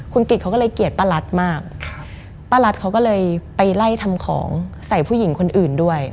คุณกิจเขาก็เลยเกลียดป้ารัสมากป้ารัสเขาก็เลยไปไล่ทำของใส่ผู้หญิงคนอื่นด้วย